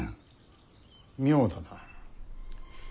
妙だな。